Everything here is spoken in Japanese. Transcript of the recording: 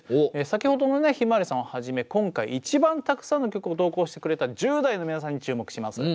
先ほどのひまわりさんをはじめ今回一番たくさんの曲を投稿してくれた１０代の皆さんに注目します。